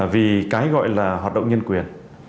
vì cái gọi là hoạt động nhân quyền